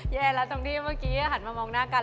แย่แล้วตรงที่เมื่อกี้หันมามองหน้ากัน